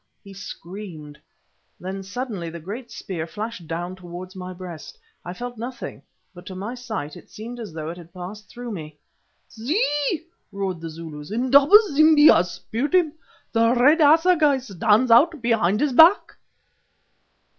_" he screamed. Then suddenly the great spear flashed down towards my breast. I felt nothing, but, to my sight, it seemed as though it had passed through me. "See!" roared the Zulus. "Indaba zimbi has speared him; the red assegai stands out behind his back."